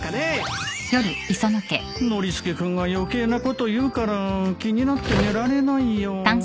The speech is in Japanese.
ノリスケ君が余計なこと言うから気になって寝られないよ